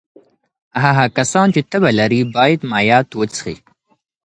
هغه کسان چې تبه لري باید مایعات وڅښي.